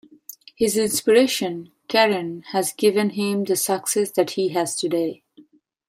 His inspiration, Karen, has given him the success that he has today.